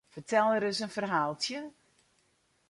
Fertel ris in ferhaaltsje?